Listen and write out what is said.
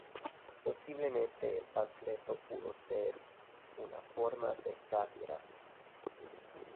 Posiblemente, el panfleto pudo ser una forma de sátira.